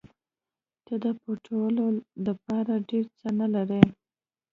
ته د پټولو دپاره ډېر څه نه لرې.